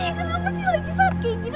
ih kenapa sih lagi sakit gini